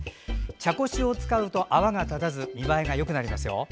茶こしを使うと泡が立たず見栄えがよくなりますよ。